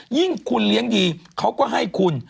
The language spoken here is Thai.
ยิ่งคุณเลี้ยงดีเขาก็ให้คุณ